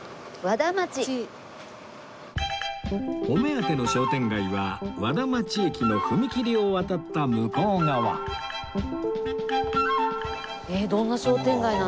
お目当ての商店街は和田町駅の踏切を渡った向こう側